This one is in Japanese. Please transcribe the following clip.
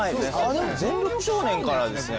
『全力少年』からですね